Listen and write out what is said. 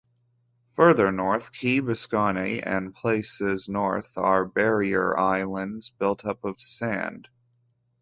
Further north, Key Biscayne and places north are barrier islands, built up of sand.